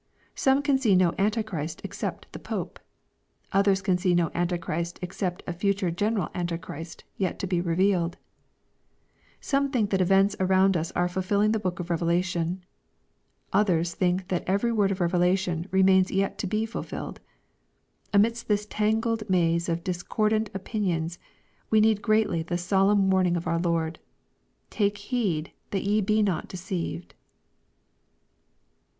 — Some can see no anti christ except the Pope. Others can see no anti christ except a future general anti christ yet to be revealed. — Some think that events around us are fulfilling the book of Reve lation. Others think that every word of Revelation remains yet to be fulfilled. — Amidst this tangled maze of discordant opin ions, we need greatly the solemn warning of our Lord, " Take heed that ye be not deceived."